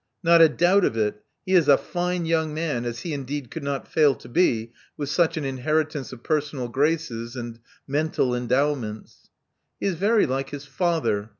Not a doubt of it. He is a fine young man — as he indeed could not fail to be with such an inheritance of personal graces and mental endowments. *' He is very like his father."